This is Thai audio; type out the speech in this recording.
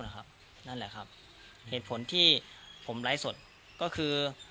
นั่นแหละครับเหตุผลที่ผมไลฟ์สดก็คือ